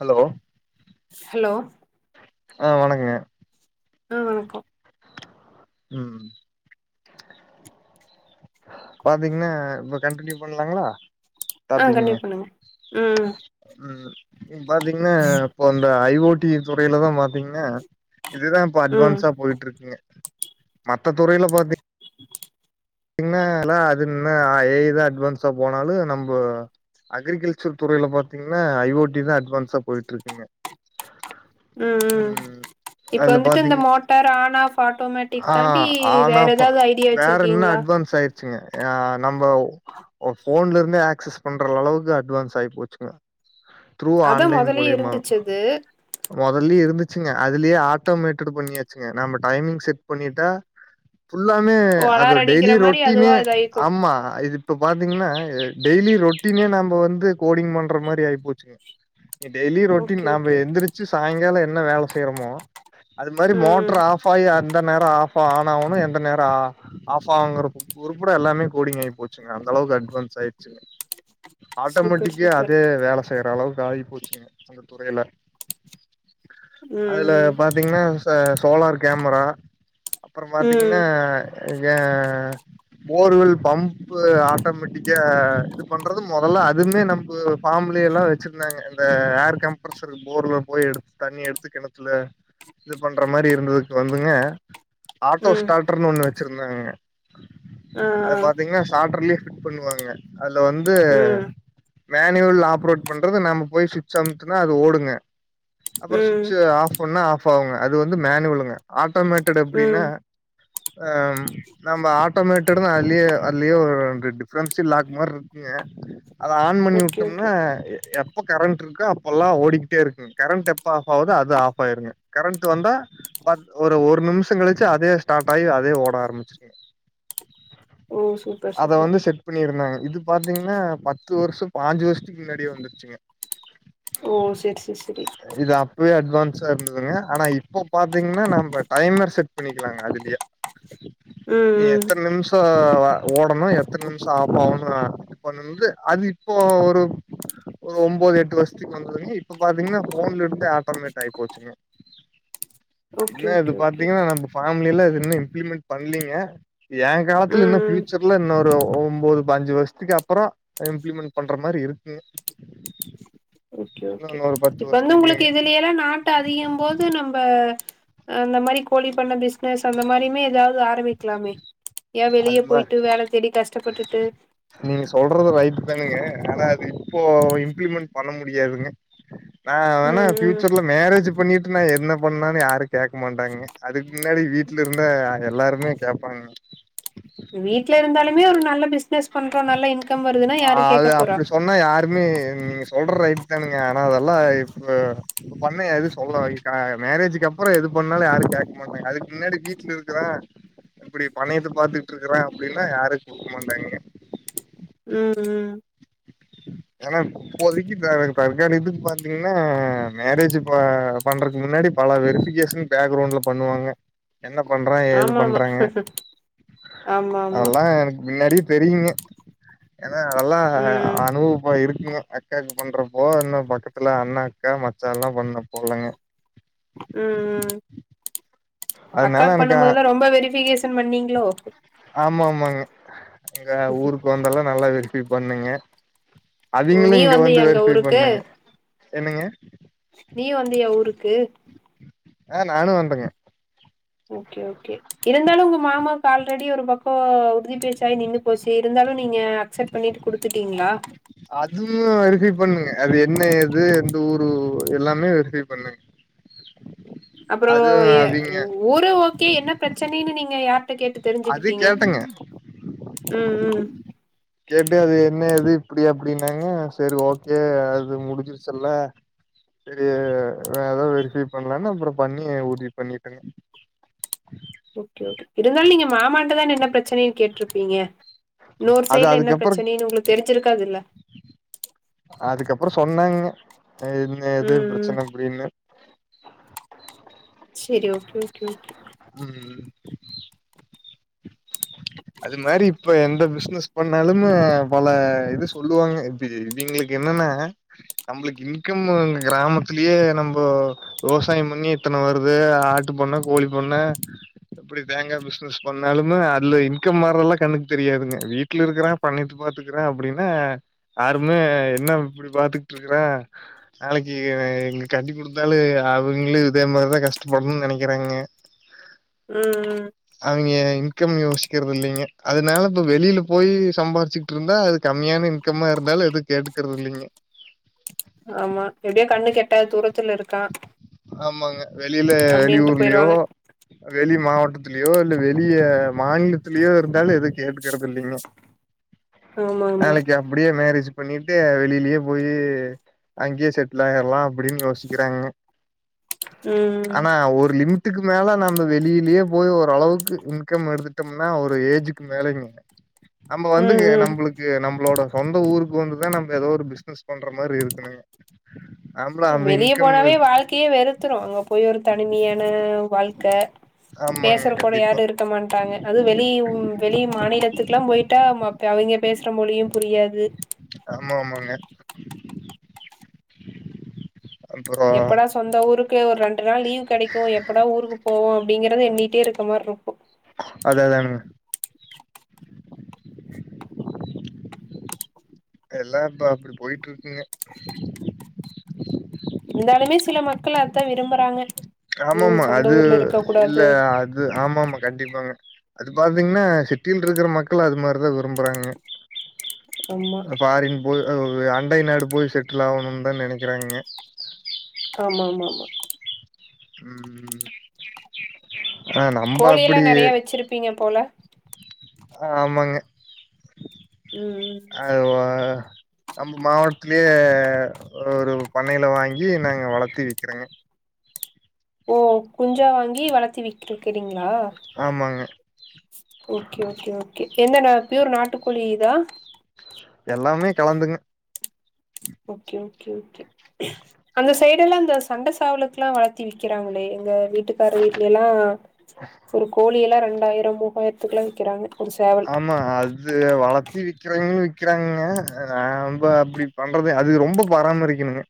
Hello hello ஆ வணக்கங்க ஆ வணக்கோ ம் பாத்தீங்கினா இப்ப கண்டினியூ பண்ணலாங்களா ஆ கண்டினியூ பண்ணுங்க ம் ம் இப் பாத்தீங்னா ம் இப்போ இந்த ஐ ஓ டி துறையிலதா பாத்தீங்கனா இதுதா இப்போ அட்வான்ஸா போயிட்ருக்குங்க மத்த துறையில பாத்தி பாத்தீங்னா அதுன்ன ஏதா அட்வான்ஸா போனாலு நம்போ அக்ரிகல்ச்சர் துறையில பாத்தீங்கினா ஐ ஓ டி தா அட்வான்ஸா போயிட்ருக்குங்க ம் ம் இப்ப வந்துட்டு இந்த பாத்தீங் மோட்டார் ஆன் ஆஃப் ஆட்டோமேட்டிக் ஆ தாண்டி வேற ஏதாவது ஐடியா வச்சிருக்கீங்களா சஸ்பன்ஸ் ஆய்ருச்சிங்க ஆ நம்போ ஒரு போன்ல இருந்தே ஆக்சஸ் பண்ற அளவு அட்வான்ஸ் ஆகி போச்சுங்க ட்ரூ அதா ஆன்லைன் மொதலயே மூலியமா இருந்துச்சு அது மொதலே இருந்துச்சிங்க அதுலே ஆட்டோமேட்டடு பண்ணியாச்சிங்க நம்ம டைமிங் செட் பண்ணிட்டா ஃபுல்லாமே ஓ அலார அது அடிக்கிற டெய்லி மாரி ரொட்டினே அதுவா இதாயிக்கு அம் ஆமா இது இப்ப பாத்தீங்னா டெய்லி ரொட்டீனே நாம வந்து கோடிங் பண்ற மாரி ஆய்போச்சி டெய்லி ரொட்டின் ஓகே ஓகே நாம ஓகே எந்திரிச்சி சாயங்கால என்ன வேல செய்யுறோமோ அது மாரி ம் ம் மோட்ரு ஆப் ஆஃப் ஆயி அந்த நேரோ ஆபா ஆனவுனு எந்த நேரா ஆஃப் ஆங்குற குறு கூட எல்லாமே கோடிங் ஆய்போச்சிங்க அந்த அளவுக் அட்வான்ஸ் ஆயிருச்சிங்க சூப்பர் ஆட்டோமேட்டிக்கே சூப்பர் அதே வேல செய்ற அளவுக்கு ஆகி போச்சிங்க அந்த துறையில அதுல ம் பாத்தீங்ன்னா ச சோலார் கேமரா அப்பறம் பாத்தீங்ன்னா ம் ம் ஏ போர்கள் பப் ஆட்டோமேட்டிக்கா இது பண்றது முதல்ல அதுமே நம்போ ஃபமிலி எல்லாம் வச்சிருந்தாங்க இந்த ஏர் கம்ப்ரஷரு போர்ல போய் எடுத்து தண்ணி எடுத்து கிணத்துல இது பண்ற மாரி இருந்ததுக்கு வந்துங்க ஆட்டோ ம் ஸ்டார்டர்ன்னு ஒண்ணு வச்சிருந்தாங்க ஆ ஆ அது பாத்தீங்கன்னா ஸ்டாட்டர்லே குட் பண்ணுவாங்க அதுல வந்து ம் மேனுவல் ஆப்ரோட் பண்றது நம்ம போய் சுவிச் அமுத்னா அது ஓடுங்க அப்பறோ ம் சுவிட்சு ஆஃப் பண்ணா ஆஃப் ஆகுங்க அது வந்து மேனுவலுங்க ஆட்டோமேட்டட் எப்டின்னா ம் ஆ நம்ப ஆட்டோமேட்டட் தா அல்லியே அல்லியோ டி டிஃபரென்ஸி லாக் மார் இய அத ஆண் பண்ணி ஓகே ஓகே விட்டோம்னா எ எப் எப்ப கரண்ட் இருக்க அப்பெல்லாம் ஓடிக்கிட்டே இருக்குங்க கரண்ட் எப்ப ஆஃப் ஆகுதோ அது ஆஃப் ஆயிருங்க கரண்ட் வந்தா ப ஓ ஒரு நிமிஷோ கழிச்சு அதே ஸ்டார்ட் ஆகி அ அதே ஓட ஆரம்பிச்சிருங்க ஓ சூப்பர் அத சூப்பர் வந்து செட் எப்டியோ இருந்தாங்க இது பாத்தீங்கன்னா பத்து வருஷோ பாஞ்சு வருஷத்துக்கு முன்னாடியே வந்துருச்சுங்க ஓ சேர் சேர் செரி இது அப்பவே அட்வான்ஸா இருந்ததுங்க ஆனா இப்ப பாத்தீங்கன்னா நம்ப டைமர் செட் பண்ணிக்கலாங்க அதுலயே [inaudible] நீ ம் ம் எத்தன நிமிஷோ ஓடணு எத்தன நிமிஷோ ஆஃப் ஆகனு சொல்லி அது இப்போ ஒரு ஒரு ஒம்பது எட்டு வருஷத்துக்கு வந்ததுங்க இப்ப பாத்தீங்கன்னா ஃபோன்ல இருந்தே ஆட்டோமேட்டாகிப் போச்சுங்க ஓகே என்ன இது ஓகே ஓகே பாத்தீங்கன்னா நம்ம ஃபார்ம்லைலா இது இன்னு இம்ப்ளிமெண்ட் பண்லீங்க ஏ காலத்துல ம் இன்னு ம் பியூச்சர் இன்னொரு ஒம்பது பாஞ்சு வருஷத்துக்கு அப்பறோ இம்ப்ளிமெண்ட் பண்ற மாரி இருக்கு [inaudible] ஓகே ஓகே இப்ப வந்து உங்களுக்கு இதுலயேலா நாட்டு அரியம்போது நம்ப அந்த மாரி கோழி பண்ண பிஸ்னஸ் அந்த மாரியுமே எதாவது ஆரம்பிக்கலாமே ஏ அது வெளியே மாரி போய்ட்டு வேல தேடி கஷ்டப்பட்டுட்டு நீங்க சொல்றது ரைட் தானுங்க ஆனா இது இப்போ இம்ப்ளிமெண்ட் பண்ண முடியாதுங்க நா வேணா ம் ம் ஃபியூச்சர்ல மேரேஜ் பண்ணிட்டு நா என்ன பண்ணனாலு யாரு கேக்க மாட்டாங்க அதுக்கு முன்னாடி வீட்ல இருந்தா எல்லாருமே கேப்பாங்க வீட்ல இருந்தாலுமே ஒரு நல்ல பிஸ்னனஸ் பண்றோ நல்ல இன்கம் வருதுன்னா ஆ யாரு அது கேக்க போறா அப்டி சொன்னா யாருமே நீங்க சொல்றது ரைட்டு தானுங்க ஆனா அதெல்லா இப்ப இப்ப பண்ணா எதும் சொல்ல மேரேஜுக்கு அப்புறோ எது பண்ணாலு யாரு கேட்க மாட்டாங்க அதுக்கு முன்னாடி வீட்ல இருக்குற இப்டி பண்ணை எடுத்து பாத்துட்டுருக்குறா அப்டின்னா யாரு குடுக்க மாட்டாங்க ம் ம் ஏன்னா இப்போதைக்கு த தற்காலிகத்துக்கு பாத்தீங்கன்னா மேரேஜ் ப பண்றக்கு முன்னாடி பல வெரிஃபிகேஷன் பேக்ரவுண்ட்ல பண்ணுவாங்க என்ன பண்றா ஏது ஆமா ஆமா பண்றாங்க ஆமா ஆமா அதெல்லா எனக்கு முன்னாடி தெரியுங்க ஏன்னா அதெல்லா ம் அனுபவ ப இருக்குங்க அக்காவுக்கு பண்றப்போ இன்னு பக்கத்துல அண்ணே அக்கா மச்சான்லா பண்ண போலங்க ம் ம் அதனால அக்காக்கு எனக்கு பண்ணம்போதல்லா ரொம்ப வெரிஃபிகேஷன் பண்ணீங்களோ ஆமா ஆமாங்க எங்க ஊருக்கு வந்தெல்லா நல்லா வெரிஃபை பண்ணேங்க ஓ அவிங்களு நீயு இங்க வந்து வந்தியா எங்க வெரிஃபை ஊருக்கு பண்ணாங்க என்னங்க நீயு வந்தியா ஊருக்கு ஆ நானு வந்தேங்க ஓகே ஓகே இருந்தாலு உங்க மாமாவுக்கு ஆல்ரெடி ஒரு பக்கோ உறுதி பேச்சாயி நின்னு போச்சே இருந்தாலு நீங்க அக்செப்ட் பண்ணிட்டு குடுத்துட்டீங்களா அதுவு வெரிஃபை பண்ணேங்க அது என்ன ஏது எந்த ஊரு எல்லாமே வெரிஃபை பண்ணேங்க அப்பறோ ய அவிங்க ஊரு ஓகே என்ன பிரச்சனைன்னு நீங்க யார் ட்ட கேட்டு அது தெரிஞ்சுக்கிட்டீங்க கேட்டங்க ம் ம் கேட்டே அது என்ன ஏது இப்டி அப்டின்னாங்க சேரி ஓகே அது முடிஞ்சிருச்சல்ல சேரி நா ஏதா வெரிஃபை பண்லான்னு அப்பறோ பண்ணி உறுதி பண்ணிட்டேங்க ஓகே ஓகே இருந்தாலு நீங்க மாமாட்ட தான என்ன பிரச்சனைனு கேட்ருப்பீங்க இன்னொரு அது சைட்ல என்ன அதுக்கப்புறோ பிரச்சனைனு உங்களுக்கு தெரிஞ்சிருக்காதுல்ல அதுக்கப்றோ சொன்னாங்கங்க என்ன ஏது ம் ம் பிரச்சன எப்டின்னு செரி ஓகே ஓகே ஓகே ம் ம் அது மாரி இப்ப எந்த பிஸ்னஸ் பண்ணாலுமே பல இது சொல்லுவாங்க இப்பியே இவிங்க்ளுக்கு என்னன்னா நம்மளுக்கு இன்கம் வருனு கிராமத்துலியே நம்போ விவசாயம்பண்ணி இத்தன வருது ஆட்டு பண்ண கோழி பண்ண எப்டி தேங்கா பிஸ்னஸ் பண்ணாலுமே அதுல இன் கம் வரதெல்லா கண்ணுக்கு தெரியாதுங்க வீட்ல இருக்றா பண்ணிட்டு பாத்துக்குறே அப்டின்னு ஆருமே என்ன இப்டி பாத்துக்கிட்ருக்ற நாளைக்கு இவன இங்க கட்டி குடுத்தாலு அவங்களு இதே மாரிதா கஷ்டப்படணு நெனைக்கிறாங்க ம் ம் அவிங்க இன்கம் யோசி க்கிறதில்லிங்க அதுனால இப்ப வெளியில போய் சம்பாதிச்சிட்ருந்தா அது கம்மியான இன்கம்மா இருந்தாலு எதுக் கேட்டுக்கறதுல்லிங்க ஆமா எப்டியோ கண்ணு கெட்டாத தூரத்துல இரு ஆமாங்க வெளியில அப்டின்ட்டு வெளியூர்லயோ போயிருவாங்க வெளி மாவட்டத்திலியோ இல்ல வெளிய மாநிலத்திலியோ இருந்தாலு எது கேட்டுக்கறது இல்லிங்க ஆமா ஆமா வேலைக்கா அப்டியே மேரேஜ் பண்ணிட்டு வெளியிலியே போயி அங்கியே செட்லாயிறலா அப்டின் யோசி க்கிறாங்க ம் ஆனா ஒரு லிமி இதுக்கு மேல நம்ம வெளியிலியே போய் ஓரளவுக்கு இன்கம் எடுத்துட்டம்னா ஒரு ஏஜுக்கு மேலேங்க நம்ப ம் வந்துங்க ம் ம் நம்ளுக் க்கு நம்மளோட சொந்த ஊருக்கு வந்துதா நம்ம எதோ ஒரு பிஸ்னஸ் பண்ற மாறி இருக்கணுங்க ஆம்பள அமீன் வெளிய போனாவே வாழ்க்கையே வெறுத்துரு அங்க போய் ஒரு தனிமையான வாழ்க்க பேசுற ஆமாங்க கூட கண்டிப்பா யாரு இருக்க மாட்டாங்க அது வெளி வெளி மாநிலத்துக்கெல்லா போயிட்டா அவங்க பேசுற மொழியு புரியாது ஆமாமாங்க எப்படா சொந்த ஊருக்கு ஒரு ரெண் டு நாள் லீவு கெடைக்கு எப்படா ஊருக்கு போவோ அப்டிங்கறத எண்ணிட்டே இருக்கமாரிருக் அதேதானுங்க எல்லா இப்ப அப்டி போயிட்ருக்குங்க இருந்தாலுமே சில மக்கள் அத்தா விரும்புறாங்க ஐயோ ஆமாம சொந்த அது ஊர்ல இருக்க இல்ல கூடாது அது ஆமாமா கண்டிப்பாங்க அது பாத்தீங்கன்னா சிட்டியில இருக்ற மக்கள் அது மாரிதா விரும்புறாங்கங்க ஆமா ஆ ஃபாரின் போய் ஆ அண்டை நாடு போய் செட்டுல் ஆவணும்னுதா நெனைக்கிறாங்கங்க ச ஆமாமாமா ம் ம் ஆ நம்ப கோழி எல்லா அப்டி நெறைய வச்சிருப்பீங்க போல ஆமாங்க ம் ம் அதுவா நம்ம மாவட்த்திலியே ஒரு பண்ணையில வாங்கி நாங்க வளத்தி விக்கிறோங்க ஓ குஞ்சா வாங்கி வளத்தி விக் விக்கிருக்கிறீங்களா ஆமாங்க. ஓகே ஓகே ஓகே என்னனா பியூர் நாட்டுக்கோழி இதா எல்லாமே கலந்துங்க ஓகே ஓகே ஓகே அந்த சைடு எல்லா அந்த சண்ட சாவலத்து எல்லா வளர்த்தி விக்கிறாங்களே எங்க வீட்டுக்கார வீட்ல எல்லா ஒரு கோழி எல்லா ரெண்டாயிரோ மூவாயிரத்துக்கெல்லா விக்கிறாங்க ஒரு சேவல் ஆமா அது இது வளர்த்தி விக்கிறீங்கன்னு விற்கிறாங்கங்க நா ரொம்ப அப்டி பண்றது அது ரொம்ப பராமரிக்கணுங்க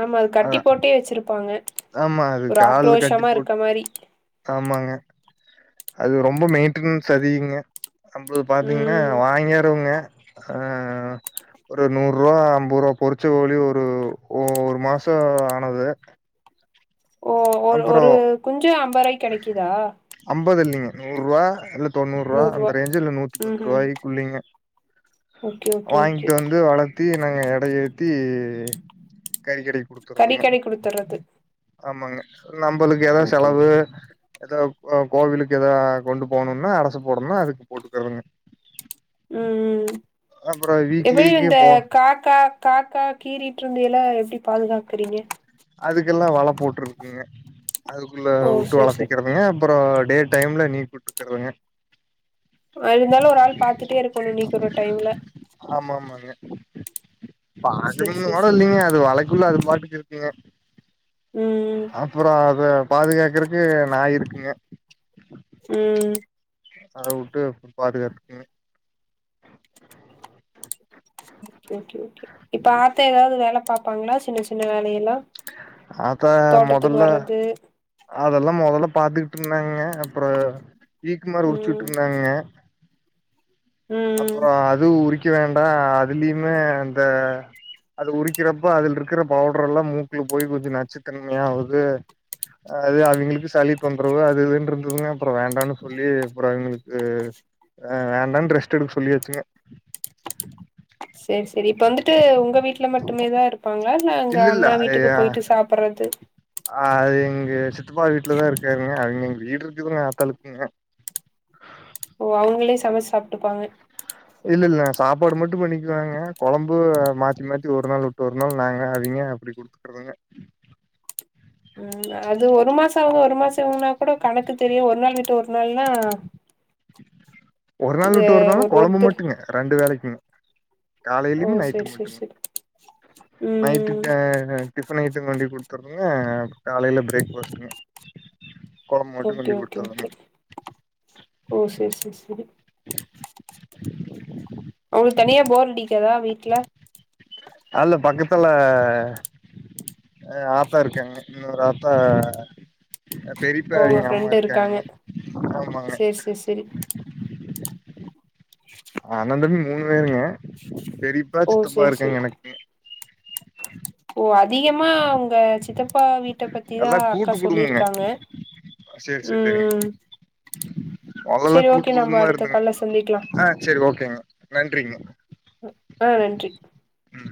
ஆமா அது அ கட்டி போட்டே வச்சிருப்பாங்க ஆமா அது ஒரு கால்ல கட்டி ஆக்ரோஷமா போட் இருக்க மாரி ஆமாங்க அது ரொம்ப மெயின்டனன்ஸ் அதிகங்க அப்பது பாத்தீங்கன்னா ம் வாங்கிறவங்க ஆ ஒரு நூறு ரூபா ஐம்பது ரூபா பொரிச்ச கோழி ஒரு ஒரு மாசோ ஆனது ஓ ஒரு ஒரு அப்புறம் குஞ்சு ஐம்பது ரூவாய்கு கெடைக்குதா ஐம்பது இல்லைங்க நூறு ரூவா இல்ல தொண்ணூறு ரூவா நூறுவா அந்த ரேஞ்சுல நூத்தி ம் பத்து ம் ரூவாய்க்குள்ளிங்க ஓகே ஓகே ஓகே வாங்கிட்டு வந்து வளர்த்தி நாங்க எட ஏத்தி கறிக்கடை கொடுக்கோ கறி கடைக் குடுத்துடுறது ஆமாங்க நம்மளுக்கு ஏதா ஓகே செலவு ஓகே ஏதா கோவிலுக்கு ஏதா கொண்டு போகணும்ன்னா அரசு போடணும்னா அதுக்கு போட்டுக்கதுங்க ம் ம் அப்புறோ எப்டி வீக்லிக்கு இந்த போ காக்கா காக்கா கீறிட்டு இருந்ததுல எப்டி பாதுகாக்கிறீங்க அதுக்கெல்லா வள போட்டுருக்குங்க அதுக்குள்ள ஓ வுட்டு சேரி சேரி வளர்த்திக்கறதுங்க அப்புறோ டே டைம்ல நீ கூட்டுருக்குறதுங்க இருந்தாலு ஒரு ஆள் பாத்துட்டே இருக்கு நீக்குர டைம்ல ஆமா ஆமாங்க பாக்கனு சேரி சேரி கூட சேரி இல்லைங்க அது வளக்குள்ள அது பாட்டுக்கு இருக்குங்க ம் அப்புறோ அத பாதுகாக்குறதுக்கு நாய் இருக்குங்க ம் அத வுட்டு பாதுகாதுக்குங்க ஓகே ஓகே இப்ப ஆத்தா ஏதாது வேல பாப்பாங்களா சின்ன சின்ன வேலையல்லா ஆத்தா மொதல்ல அதெல்லா முதல்ல பாத்துக்கிட்டு இருந்தாங்க அப்புறோ ஈக்குமாரு உரிச்சுட்டு ம் இருந்தாங்க ம் அப்புறோ அது உரிக்க வேண்டா அதுலயுமே அந்த அது உரிக்கிறப்ப அதுல இருக்கிற பவுடர் எல்லா மூக்குல போய் கொஞ்சோ நச்சுத் தன்மையா ஆவுது அது அவங்களுக்கு சளி தொந்தரவு அது இதுன்னு இருந்ததுங்க அப்புறோ வேண்டான்னு சொல்லி அப்புறோ அவங்களுக்கு ஆ வேண்டானு ரெஸ்ட் எடுக்க சொல்லியாச்சுங்க செரி செரி இப்ப வந்துட்டு உங்க வீட்ல மட்டுமே தா இருப்பாங்களா இல்ல அங்க அண்ணா வீட்டுக்கு போயிட்டு சாப் சாப்புறது ஆ அது எங்க சித்தப்பா வீட்டுலதா இருக்காங்க அங்க எங்க வீடு இருக்குதுங்க ஆத்தாலுக்குங்க ஆஹ ஓ அவங்களே சமைச்சு சாப்ட்டுப்பாங்க இல்ல இல்ல சாப்பாடு மட்டு பண்ணிக்குவாங்க கொழம்பு மாத்தி மாத்தி ஒரு நாள் வுட்டு ஒரு நாள் நாங்க அவிங்க அப்டி குடுத்துட்றதுங்க ம் அது ஒரு மாச அவுங்க ஒரு மாச இவுங்கன்னா கூட கணக்கு தெரியு ஒரு நாள் விட்டு ஒரு நாள்னா ஒரு நாள் இது விட்டு ஒரு நாளு கொழம்பு ஒருத்தர் மட்டுங்க ரெண்டு வேலைக்குங்க ஓ காலையிலிம் நைட்டு செரி செரி மட்டுங்க செரி நைட்டு ம் டா டிஃபன் ஐட்ட வேண்டி குடுத்துறதுங்க காலையில பிரேக்ஃபாஸ்ட்டுங்க குழம்பு மட்டு ஓகே கொண்டு ஓகே குடுத்துறாங்க ஓகே ஓ சேரி சேரி சரி [inaudible] அவுங்களுக்கு தனியா போர் அடிக்கதா வீட்ல அதுல பக்கத்துல ஏ ஆத்தா இருக்காங்க இன்னொரு ஆத்தா ஓ பெரித்தாயி உங்க எங்க அம்மா இருக்காங்க ஆமாங்க செஸ் செரி செரி உ [inaudible] அண்ண தம்பி மூணு பேருங்க பெரியப்பா ஓ சித்தப்பா செரி செரி இருக்காங்க எனக்கு ஓ அதிகமா அவுங்க சித்தப்பா வீட்ட பத்திதா எல்லா அக்கா கூட்டு குடும்பங்க சொல்லிருக்காங்க சேரி சேரி சரிங்க அவ்ளோ செரி கூட்டு ஓகே நம்ம குடும்பமா அடுத்த இருந்தாங்க கால்ல சந்திக்கலா ஆ சரி ஓகேங்க நன்றிங்க ஆ நன்றி ம்